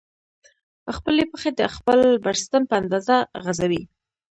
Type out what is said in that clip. خپلې پښې د خپل بړستن په اندازه غځوئ.